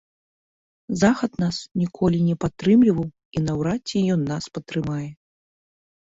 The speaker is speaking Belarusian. Захад нас ніколі не падтрымліваў, і наўрад ці ён нас падтрымае.